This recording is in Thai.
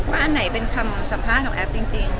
อันไหนเป็นคำสัมภาษณ์ของแอฟจริง